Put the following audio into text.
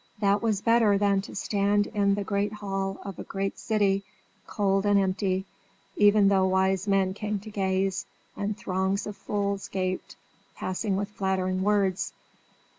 That was better than to stand in a great hall of a great city, cold and empty, even though wise men came to gaze and throngs of fools gaped, passing with flattering words.